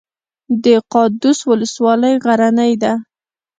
د قادس ولسوالۍ غرنۍ ده